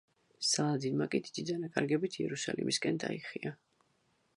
სალადინმა კი დიდი დანაკარგებით იერუსალიმისკენ დაიხია.